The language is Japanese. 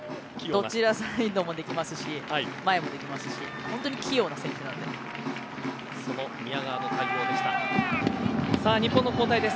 どちらサイドもできますし前もできますし本当に器用な選手なので。